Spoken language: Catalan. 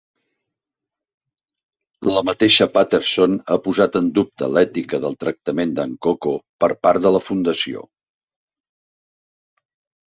La mateixa Patterson ha posat en dubte l'ètica del tractament d'en Koko per part de la Fundació.